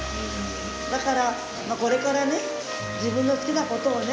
だからこれからね自分の好きなことをね